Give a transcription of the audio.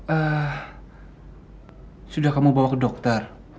eh sudah kamu bawa ke dokter